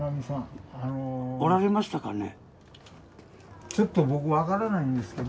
おられましたかね？